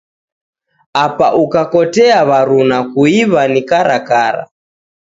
Apa ukakotea waruna kuiwa ni karakara